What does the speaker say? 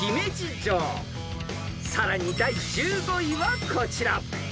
［さらに第１５位はこちら］